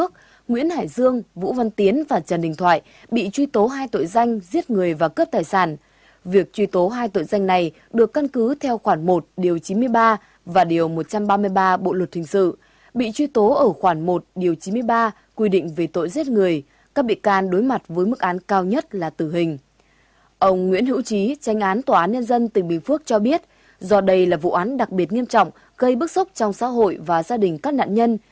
trành án tòa án nhân dân tỉnh bình phước cho biết do đây là vụ án đặc biệt nghiêm trọng gây bức xúc trong xã hội và gia đình các nạn nhân